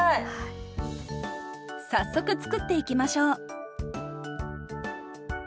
早速作っていきましょう。